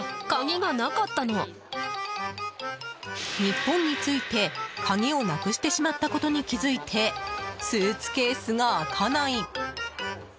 日本に着いて鍵をなくしてしまったことに気づいてスーツケースが開かない。